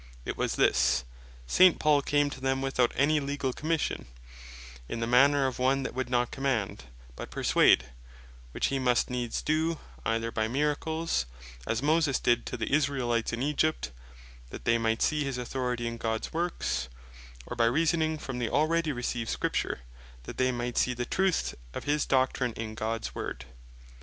It was this; S. Paul came to them without any Legall Commission, and in the manner of one that would not Command, but Perswade; which he must needs do, either by Miracles, as Moses did to the Israelites in Egypt, that they might see his Authority in Gods works; or by Reasoning from the already received Scripture, that they might see the truth of his doctrine in Gods Word.